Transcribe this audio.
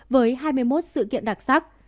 với hai mươi một sự kiện đặc sắc